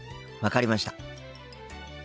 分かりました。